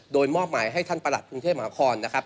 โดยมอบหมายให้ท่านประหลัดกรุงเทพมหาคอนนะครับ